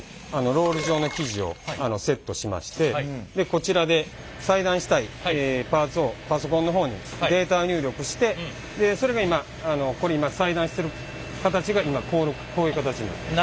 ロール状の生地をセットしましてこちらで裁断したいパーツをパソコンの方にデータ入力してでそれが今ここに裁断してる形が今こういう形になります。